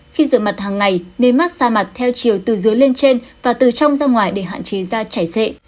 khi rửa mặt hàng ngày nên mát xa mặt theo chiều từ dưới lên trên và từ trong ra ngoài để hạn chế da chảy xệ